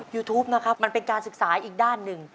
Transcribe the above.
ยูทูปนะครับมันเป็นการศึกษาอีกด้านหนึ่ง